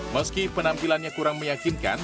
meski penampilannya kurang meyakinkan